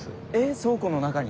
倉庫の中に？